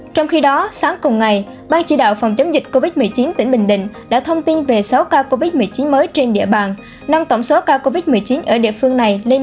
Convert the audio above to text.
trong khi đó sáng cùng ngày ban chỉ đạo phòng chống dịch covid một mươi chín tỉnh bình định đã thông tin về sáu ca covid một mươi chín mới trên địa bàn năng tổng số ca covid một mươi chín ở địa phương này lên một bốn trăm hai mươi ba ca